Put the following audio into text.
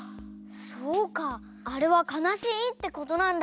そうかあれはかなしいってことなんだ。